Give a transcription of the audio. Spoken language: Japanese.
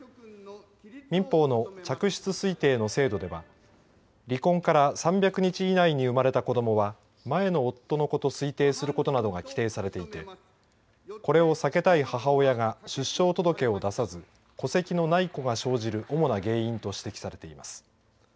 民放の嫡出推定の制度では離婚から３００日以内に生まれた子どもは前の夫の子と推定することなどが規定されていてこれを避けたい母親が出生届を出さず戸籍のない子が生じる主な原因と指摘されています。